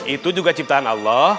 itu juga ciptaan allah